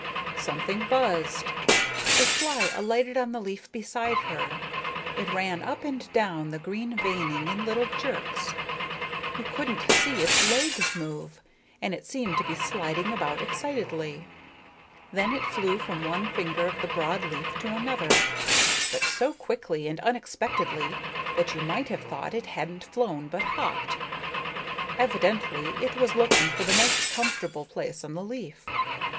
Something buzzed; a fly alighted on the leaf beside her. It ran up and down the green veining in little jerks. You couldn't see its legs move, and it seemed to be sliding about excitedly. Then it flew from one finger of the broad leaf to another, but so quickly and unexpectedly that you might have thought it hadn't flown but hopped. Evidently it was looking for the most comfortable place on the leaf.